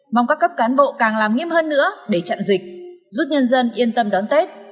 mong các cấp cán bộ càng làm nghiêm hơn nữa để chặn dịch giúp nhân dân yên tâm đón tết